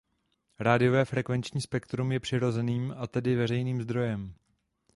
Rádiové frekvenční spektrum je přirozeným, a tedy veřejným zdrojem.